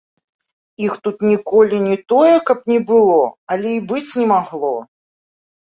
Іх тут ніколі не тое, каб не было, але і быць не магло!